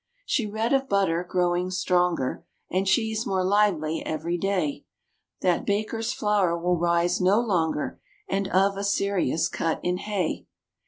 She read of butter growing stronger And cheese more lively every day, That baker's flour will rise no longer, And of "a serious cut in hay."